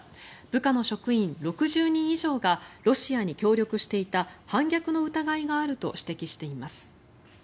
部下の職員６０人以上がロシアに協力していた反逆の疑いがあると指摘しています。